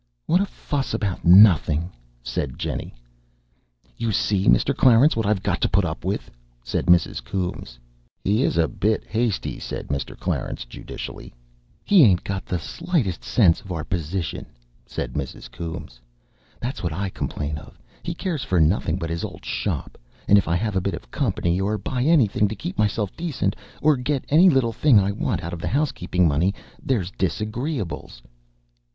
"What a fuss about nothing!" said Jennie. "You see, Mr. Clarence, what I've got to put up with," said Mrs. Coombes. "He is a bit hasty," said Mr. Clarence judicially. "He ain't got the slightest sense of our position," said Mrs. Coombes; "that's what I complain of. He cares for nothing but his old shop; and if I have a bit of company, or buy anything to keep myself decent, or get any little thing I want out of the housekeeping money, there's disagreeables.